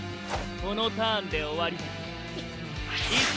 このターンで終わりだ。